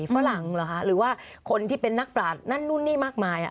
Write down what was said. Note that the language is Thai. ฝรั่งเหรอคะหรือว่าคนที่เป็นนักปราศนั่นนู่นนี่มากมาย